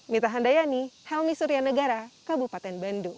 mita handayani helmi suryanegara kabupaten bandung